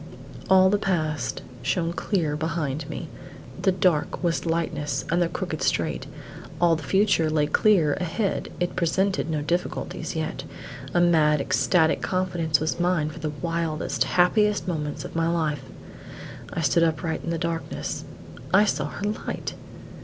All the past shone clear behind me; the dark was lightness and the crooked straight. All the future lay clear ahead it presented no difficulties yet; a mad, ecstatic confidence was mine for the wildest, happiest moments of my life. I stood upright in the darkness. I saw her light!